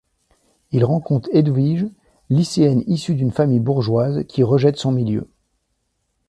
Il rencontre Edwige, lycéenne issue d'une famille bourgeoise qui rejette son milieu.